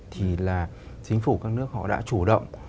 thì là chính phủ các nước họ đã chủ động